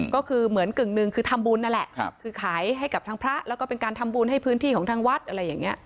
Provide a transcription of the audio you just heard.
ก็คือเหมือนกึ่งหนึ่งคือทำบุญนั่นแหละคือขายให้กับทางพระแล้วก็เป็นการทำบุญให้พื้นที่ของทางวัดอะไรอย่างนี้